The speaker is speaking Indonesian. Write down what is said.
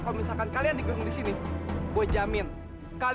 pada saat ya okelah lebih jauh kalau informasi dia menu dia tarik bekerja kontroll